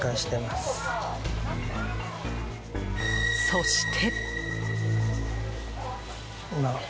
そして。